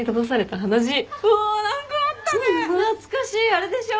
あれでしょ？